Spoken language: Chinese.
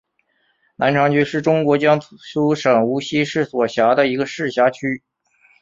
南长区是中国江苏省无锡市所辖的一个市辖区。